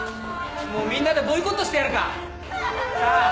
もうみんなでボイコットしてやるか？